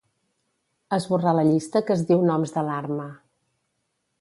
Esborrar la llista que es diu noms d'alarma.